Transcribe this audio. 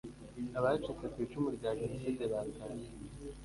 abacitse ku icumu rya Jenoside batashye